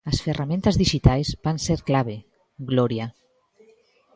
As ferramentas dixitais van ser clave, Gloria.